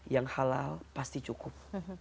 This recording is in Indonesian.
yang halal pasti cukup